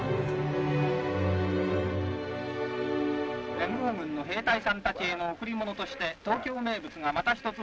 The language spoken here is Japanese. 「連合軍の兵隊さんたちへの贈り物として東京名物がまた一つ増えました。